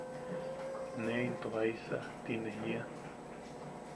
“¿ne into jaisa?” ti nia.